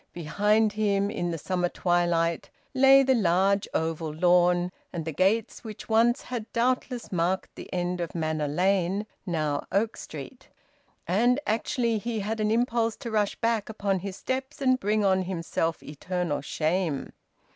Behind him in the summer twilight lay the large oval lawn, and the gates which once had doubtless marked the end of Manor Lane now Oak Street. And actually he had an impulse to rush back upon his steps, and bring on himself eternal shame.